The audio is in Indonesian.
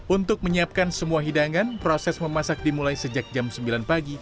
untuk menyiapkan semua hidangan proses memasak dimulai sejak jam sembilan pagi